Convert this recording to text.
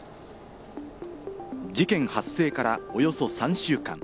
事件発生からおよそ３週間。